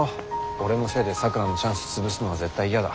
俺のせいで咲良のチャンス潰すのは絶対嫌だ。